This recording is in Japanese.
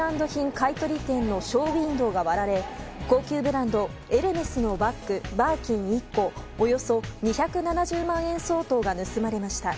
買い取り店のショーウィンドーが割られ高級ブランドエルメスのバッグバーキン１個およそ２７０万円相当が盗まれました。